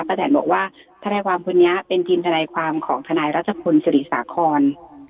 แนนบอกว่าทนายความคนนี้เป็นทีมทนายความของทนายรัชพลศรีสาคร